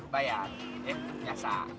bayar ya biasa